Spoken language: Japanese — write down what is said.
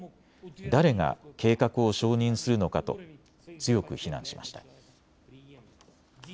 誰が計画を承認するのかと強く非難しました。